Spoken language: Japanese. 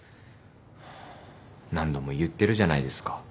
何度も言ってるじゃないですか。